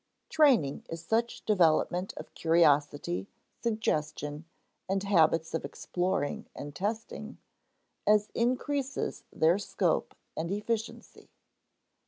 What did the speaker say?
Training is such development of curiosity, suggestion, and habits of exploring and testing, as increases their scope and efficiency.